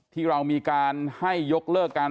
ที่เรามีการให้ยกเลิกการ